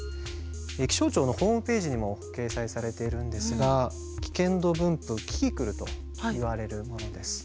気象庁のホームページにも掲載されているんですが危険度分布「キキクル」といわれるものです。